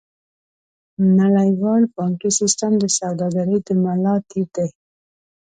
نړیوال بانکي سیستم د سوداګرۍ د ملا تیر دی.